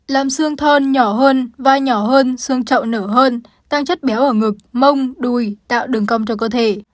làm xương thon nhỏ hơn vai nhỏ hơn xương trậu nở hơn tăng chất béo ở ngực mông đùi tạo đường cong cho cơ thể